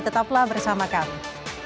tetaplah bersama kami